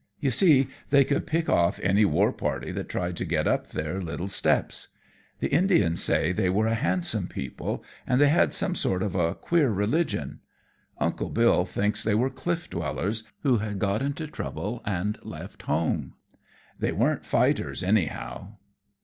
You see, they could pick off any war party that tried to get up their little steps. The Indians say they were a handsome people, and they had some sort of a queer religion. Uncle Bill thinks they were Cliff Dwellers who had got into trouble and left home. They weren't fighters, anyhow.